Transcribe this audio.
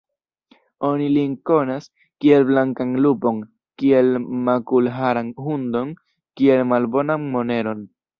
Oni lin konas, kiel blankan lupon; kiel makulharan hundon; kiel malbonan moneron.